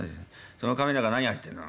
その瓶ん中何入ってんの？